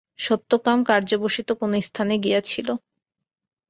সত্যকাম কার্যবশত কোন স্থানে গিয়াছিলেন।